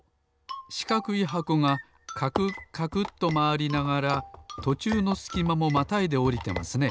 しかくい箱がカクカクとまわりながらとちゅうのすきまもまたいでおりてますね。